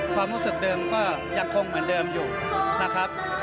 ความรู้สึกเดิมก็ยังคงเหมือนเดิมอยู่นะครับ